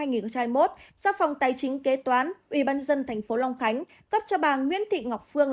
trong ngày ba mươi một do phòng tài chính kế toán ubnd tp long khánh cấp cho bà nguyễn thị ngọc phương